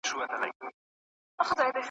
چي پخوا به یې مېړه څنګ ته ویده وو ,